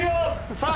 さあ！